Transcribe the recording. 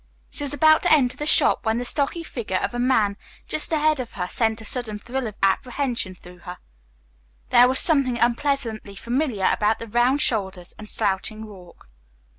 She was about to enter the shop, when the stocky figure of a man just ahead of her sent a sudden thrill of apprehension through her. There was something unpleasantly familiar about the round shoulders and slouching walk.